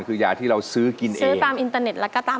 คือยาที่เราซื้อกินเองซื้อตามอินเตอร์เน็ตแล้วก็ตาม